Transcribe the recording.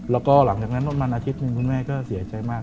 แล้วก็หลังจากนั้นมานาทีนึงคุณแม่ก็เสียใจมาก